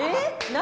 何？